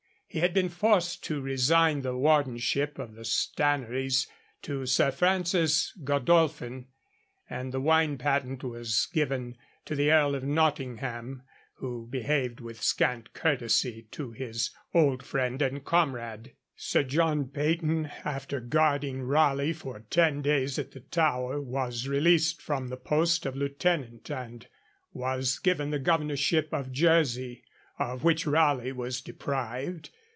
He had been forced to resign the Wardenship of the Stannaries to Sir Francis Godolphin, and the wine patent was given to the Earl of Nottingham, who behaved with scant courtesy to his old friend and comrade. Sir John Peyton, after guarding Raleigh for ten days at the Tower, was released from the post of Lieutenant, and was given the Governorship of Jersey, of which Raleigh was deprived.